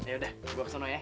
ya udah gue kesana ya